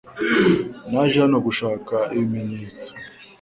Naje hano gushaka ibimenyetso .